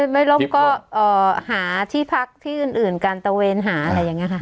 ไม่ลบก็หาที่พักที่อื่นการตะเวนหาอะไรอย่างนี้ค่ะ